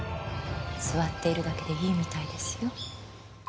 座っているだけでいいみたいですよ。